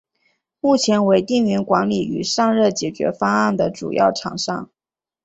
目前为电源管理与散热解决方案的主要厂商。